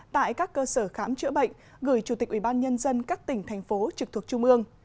tại các cơ sở khám chữa bệnh gửi chủ tịch ubnd các tỉnh thành phố trực thuộc trung ương